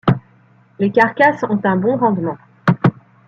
Les carcasses ont un bon rendement.